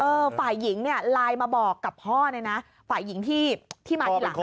ใช่ฝ่ายหญิงไลน์มาบอกกับพ่อฝ่ายหญิงที่มาที่หลัง